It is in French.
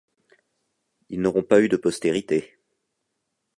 Ils n'auront pas eu de postérité.